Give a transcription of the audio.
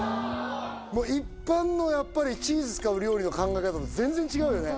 もう一般のやっぱりチーズ使う料理の考え方と全然違うよね